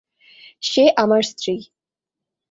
সে আমার স্ত্রী।